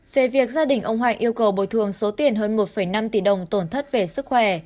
về việc gia đình ông hoạch yêu cầu bồi thường số tiền hơn một năm tỷ đồng tổn thất về sức khỏe